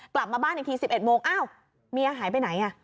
กลับมาบ้านอีกที๑๑โมงอ้าวเมียหายไปไหน